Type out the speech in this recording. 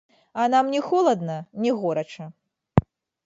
А нам ні холадна, ні горача.